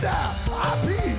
アピール！